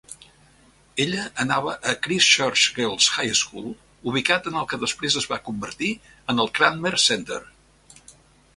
Ella anava a Christchurch Girls' High School, ubicat en el que després es va convertir en el Cranmer Centre.